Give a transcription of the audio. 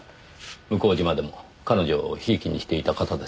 向島でも彼女を贔屓にしていた方ですよ。